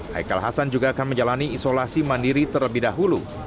haikal hasan juga akan menjalani isolasi mandiri terlebih dahulu